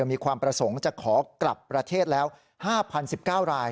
มีความประสงค์จะขอกลับประเทศแล้ว๕๐๑๙ราย